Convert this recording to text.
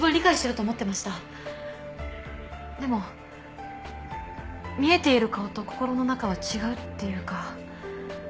でも見えている顔と心の中は違うっていうか。